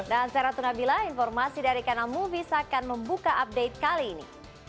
dan saya ratu nabila informasi dari kanal movies akan membuka update kali ini